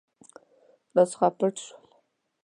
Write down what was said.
راڅخه پټ شول.